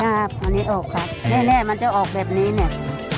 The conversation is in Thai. อันนี้ออกครับแน่มันจะออกแบบนี้เนี่ย